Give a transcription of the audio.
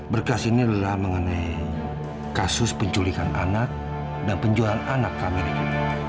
berkas ini adalah mengenai kasus penculikan anak dan penjualan anak kami ini